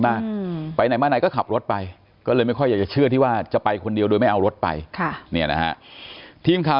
บ้างไปเนินมากก็ขาดไปก็เลยไม่ค่อยจะเชื่อได้ว่าจะไปคนเดียวโดยมันเอารถไปค่ะเนี่ยนะทีมขาว